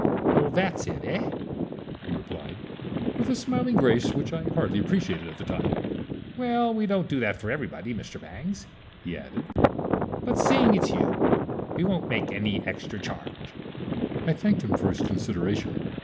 "Oh, that's it, eh?" he replied, with a smiling grace which I hardly appreciated at the time. "Well, we don't do that for everybody, Mr. Bangs," he added; "but seeing it's you we won't make any extra charge." I thanked him for his consideration.